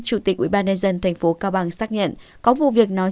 chủ tịch ủy ban đơn dân thành phố cao bằng xác nhận có vụ việc nói